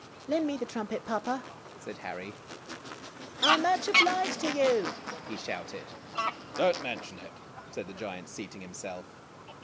" Lend me the trumpet, Papa," said Harry. " I 'm much obliged to you," he shouted. " Don't mention it," said the giant, seating himself.